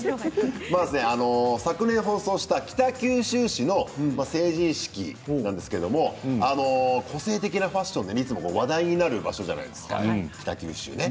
昨年、放送した北九州市の成人式なんですけれど個性的なファッションでいつも話題になる場所じゃないですか。